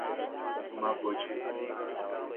Mapuche